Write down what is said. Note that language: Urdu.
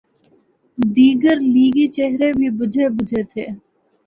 دیگر لیگی چہرے بھی بجھے بجھے تھے۔